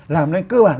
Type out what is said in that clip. làm nên cơ bản